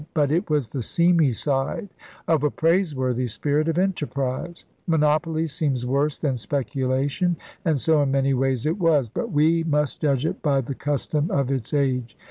But it was the seamy side of a praiseworthy spirit of enterprise. Monopoly seems worse than specula tion. And so, in many ways, it was. But we must judge it by the custom of its age.